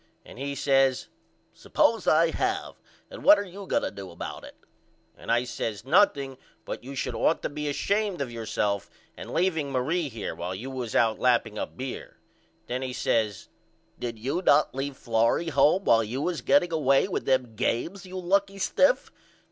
And he says Suppose I have and what are you going to do about it? And I says Nothing but you should ought to be ashamed of yourself and leaveing Marie here while you was out lapping up beer. Then he says Did you not leave Florrie home while you was getting away with them games, you lucky stiff?